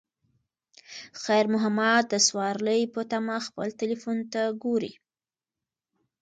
خیر محمد د سوارلۍ په تمه خپل تلیفون ته ګوري.